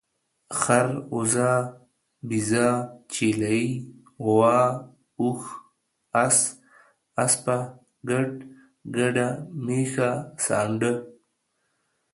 خر، اوزه، بيزه ، چيلۍ ، غوا، اوښ، اس، اسپه، ګډ، ګډه، ميښه، سانډه